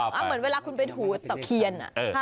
เหมือนเวลาคุณเป็นหุตเทียน